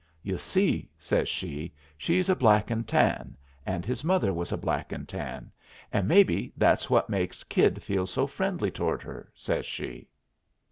"You see," says she, "she's a black and tan, and his mother was a black and tan, and maybe that's what makes Kid feel so friendly toward her," says she.